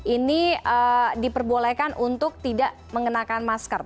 ini diperbolehkan untuk tidak mengenakan masker